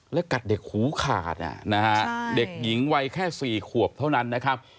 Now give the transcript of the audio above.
แล้วกัดเด็กหูขาดนะฮะเด็กหญิงวัยแค่๔ขวบเท่านั้นนะครับ